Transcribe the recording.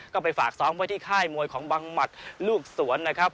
ก็ไปฝากซ้อมไว้ที่ค่ายมวยของบังหมัดลูกสวนนะครับ